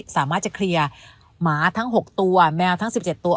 สามารถจะเคลียร์หมาทั้ง๖ตัวแมวทั้ง๑๗ตัว